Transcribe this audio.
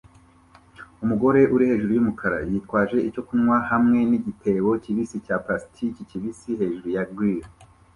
Umugore uri hejuru yumukara yitwaje icyo kunywa hamwe nigitebo kibisi cya plastiki kibisi hejuru ya grill